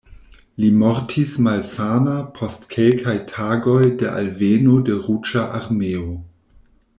Li mortis malsana post kelkaj tagoj de alveno de Ruĝa Armeo.